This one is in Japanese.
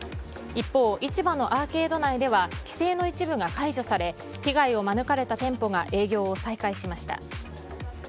一方、市場のアーケード内では規制の一部が解除され被害を免れた店舗が営業を再開しました。